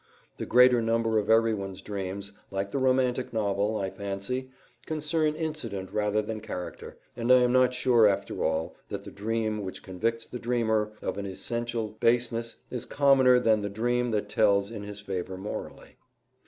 The greater number of everyone's dreams, like the romantic novel, I fancy, concern incident rather than character, and I am not sure, after all, that the dream which convicts the dreamer of an essential baseness is commoner than the dream that tells in his favor morally.